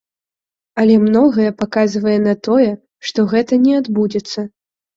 Але многае паказвае на тое, што гэта не адбудзецца.